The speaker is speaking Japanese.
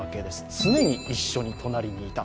常に一緒に隣にいた。